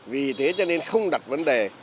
vì thế cho nên không đặt vấn đề